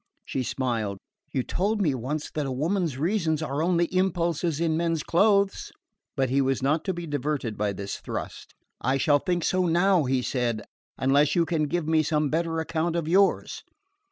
She smiled. "You told me once that a woman's reasons are only impulses in men's clothes." But he was not to be diverted by this thrust. "I shall think so now," he said, "unless you can give me some better account of yours!"